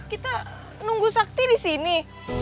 kita nunggu sakti di sini